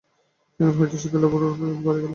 সেখান হইতে সে শীতলবাবুর বাড়ি গেল।